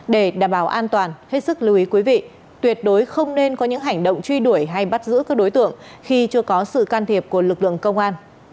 để đảm bảo an toàn hết sức lưu ý quý vị tuyệt đối không nên có những hành động truy đuổi hay bắt giữ các đối tượng khi chưa có sự can thiệp của lực lượng công an